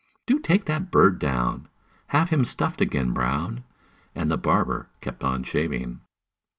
Do take that bird down; Have him stuffed again, Brown!" And the barber kept on shaving.